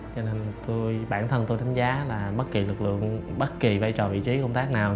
cho nên bản thân tôi đánh giá là bất kỳ lực lượng bất kỳ vai trò vị trí công tác nào